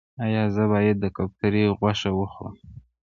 ایا زه باید د کوترې غوښه وخورم؟